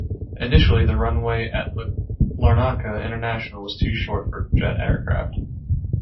Initially, the runway at Larnaca International was too short for jet aircraft.